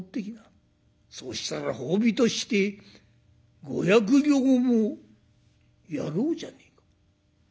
そうしたら褒美として５００両もやろうじゃねえか」。